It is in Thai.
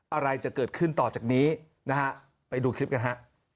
อะไรจะเกิดขึ้นต่อจากนี้นะฮะไปดูคลิปกันฮะ